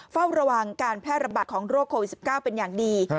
เฝ้าระวังการแพร่ระบาดของโรคโควิด๑๙เป็นอย่างดี